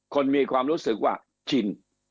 คนมีความรู้สึกว่าชิน